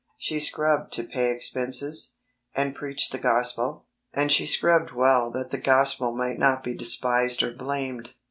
She scrubbed to pay expenses, and preached the Gospel, and she scrubbed well that the Gospel might not be despised or blamed.